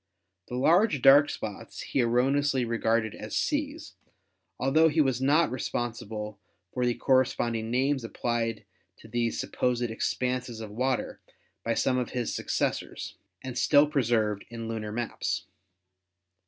The large dark spots he erroneously regarded as seas, altho he was not responsible for the corresponding names applied to these supposed expanses of water by some of his suc cessors, and still preserved in lunar maps.